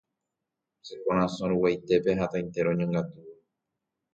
Che korasõ ruguaitépe hatãite roñongatúva